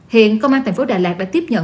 hiện công an tp đà lạt đã tiếp nhận